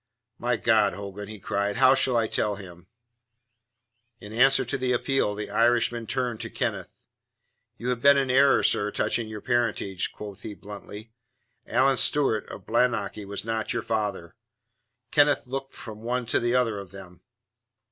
"My God, Hogan," he cried. "How shall I tell him?" In answer to the appeal, the Irishman turned to Kenneth. "You have been in error, sir, touching your parentage," quoth he bluntly. "Alan Stewart, of Bailienochy, was not your father." Kenneth looked from one to the other of them.